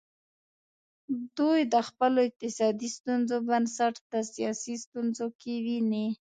دوی د خپلو اقتصادي ستونزو بنسټ د سیاسي ستونزو کې ویني.